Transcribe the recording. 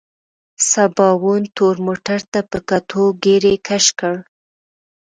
سباوون تور موټر ته په کتو ږيرې کش کړ.